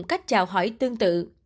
cách chào hỏi tương tự